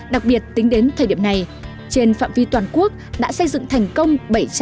đặc biệt tính đến thời điểm này trên phạm vi toàn quốc đã xây dựng thành công bảy trăm chín mươi